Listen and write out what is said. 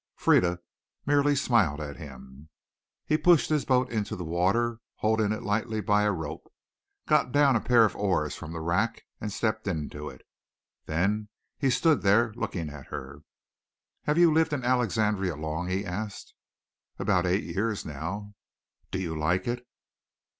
Frieda merely smiled at him. He pushed his boat into the water, holding it lightly by a rope, got down a pair of oars from a rack and stepped into it. Then he stood there looking at her. "Have you lived in Alexandria long?" he asked. "About eight years now." "Do you like it?"